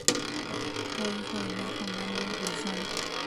Fue hijo de Marco Manlio Vulsón.